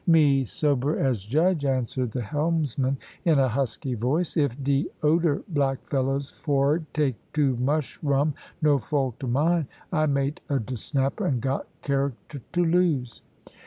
"Me sober as judge," answered the helmsman, in a husky voice. "If de oder black fellers for'ard take too mush rum, no fault o' mine. I mate of de Snapper, and got character to lose."